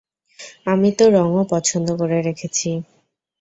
আমি তো রঙও পছন্দ করে রেখেছি।